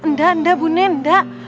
nggak nda bu nen nda